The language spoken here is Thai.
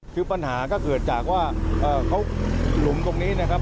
คือปัญหาก็เกิดจากว่าเขาหลุมตรงนี้นะครับ